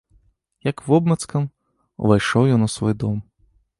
Як вобмацкам, увайшоў ён у свой дом.